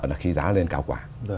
là khi giá lên cao quá